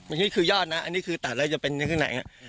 อันนี้คือยอดนะอันนี้คือตัดแล้วจะเป็นข้างใน